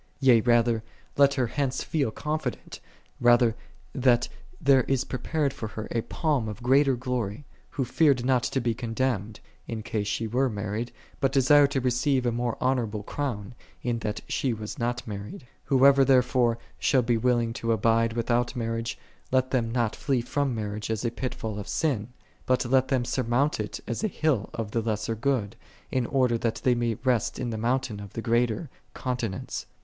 Yea rather, let her hence feel confident, rather, that there is prepared for her a palm of greater glory, who feared not to be condemned, in case she were married, but desired to receive a more honorable crown, in that she was not married. Whoso therefore shall be willing to abide without marriage, let them not flee from marriage as a pitfall of sin; but let them sur mount it as a hill of the lesser good, in order that they may rest in the mountain of the greater, continence.